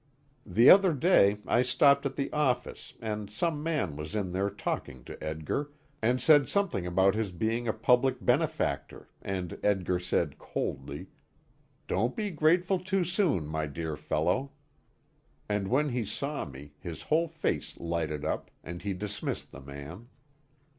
The other day I stopped at the office and some man was in there talking to Edgar, and said something about his being a public benefactor, and Edgar said, coldly: "Don't be grateful too soon, my dear fellow," and when he saw me, his whole face lighted up, and he dismissed the man.